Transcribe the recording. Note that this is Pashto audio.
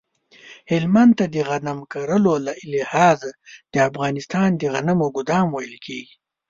هلمند ته د غنم کرلو له لحاظه د افغانستان د غنمو ګدام ویل کیږی